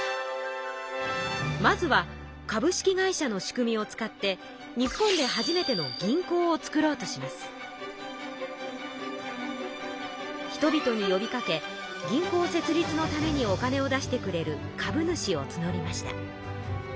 まずは株式会社の仕組みを使って日本で初めての人々によびかけ銀行設立のためにお金を出してくれる株主をつのりました。